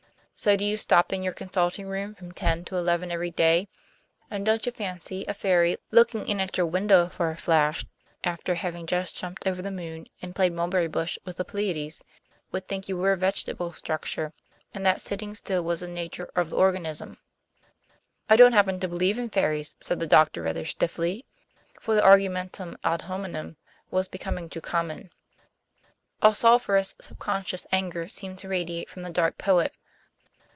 "So do you stop in your consulting room from ten to eleven every day. And don't you fancy a fairy, looking in at your window for a flash after having just jumped over the moon and played mulberry bush with the Pleiades, would think you were a vegetable structure, and that sitting still was the nature of the organism?" "I don't happen to believe in fairies," said the doctor rather stiffly, for the argumentum ad hominem was becoming too common. A sulphurous subconscious anger seemed to radiate from the dark poet.